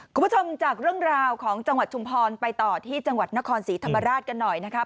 คุณผู้ชมจากเรื่องราวของจังหวัดชุมพรไปต่อที่จังหวัดนครศรีธรรมราชกันหน่อยนะครับ